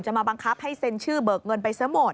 มาบังคับให้เซ็นชื่อเบิกเงินไปซะหมด